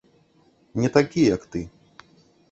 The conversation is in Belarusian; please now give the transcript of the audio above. Не такі, як ты.